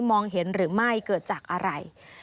มองเห็นหรือไม่เกิดจากอะไร